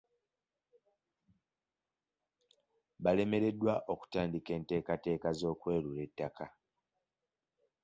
Balemeredwa okutandika enteekateeka z'okwerula ettaka.